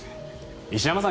石山さん